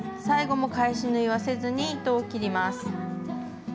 最後も返し縫いはせずに糸を切ります。